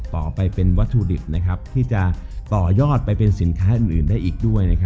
ต่อไปเป็นวัตถุดิบที่จะต่อยอดไปเป็นสินค้าอื่นได้อีกด้วย